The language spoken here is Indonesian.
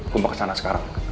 gue mau kesana sekarang